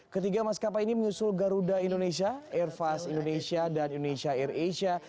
ketiga maskapai ini menyusul garuda indonesia airfast indonesia dan indonesia air asia